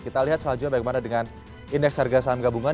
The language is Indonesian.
kita lihat selanjutnya bagaimana dengan indeks harga saham gabungan